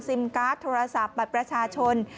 การ์ดโทรศัพท์บัตรประชาชน